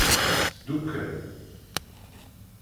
Sdukkel.